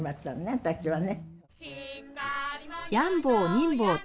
私はね。